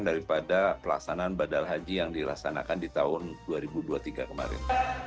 daripada pelaksanaan badal haji yang dilaksanakan di tahun dua ribu dua puluh tiga kemarin